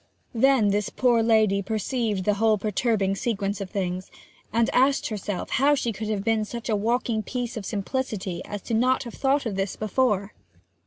Then this poor lady perceived the whole perturbing sequence of things, and asked herself how she could have been such a walking piece of simplicity as not to have thought of this before.